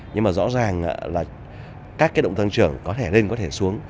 nhưng mà rõ ràng là các cái động tăng trưởng có thể lên có thể xuống